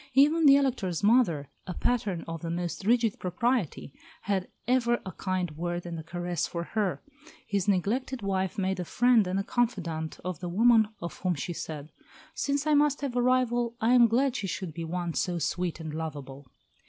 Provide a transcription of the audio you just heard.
Even the Elector's mother, a pattern of the most rigid propriety, had ever a kind word and a caress for her; his neglected wife made a friend and confidante of the woman of whom she said, "Since I must have a rival, I am glad she should be one so sweet and lovable."